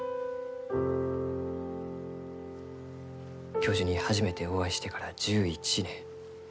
教授に初めてお会いしてから１１年。